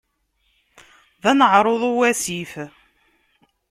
D aneɛṛuḍ uwasif.